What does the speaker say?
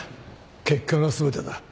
結果が全てだ